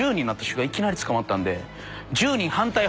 いきなり捕まったんで。